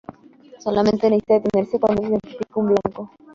Solamente necesitan detenerse cuando se identifica un blanco.